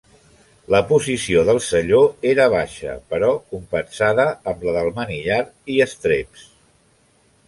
La posició del selló era baixa, però compensada amb la del manillar i estreps.